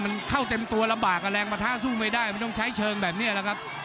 มันเข้าเต็มตัวลำบากแรงประทะสู้ไม่ได้มันต้องใช้เชิงแบบนี้แหละครับ